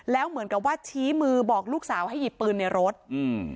แล้วเหมือนกับว่าชี้มือบอกลูกสาวให้หยิบปืนในรถอืม